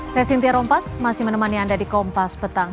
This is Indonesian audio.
saya sintia rompas masih menemani anda di kompas petang